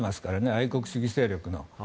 愛国主義勢力の。